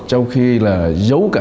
trong khi là giấu cảnh